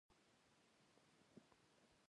اداره باید د قانون د احکامو مطابق عمل وکړي.